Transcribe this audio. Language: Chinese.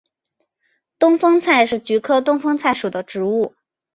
东风菜是菊科东风菜属的植物。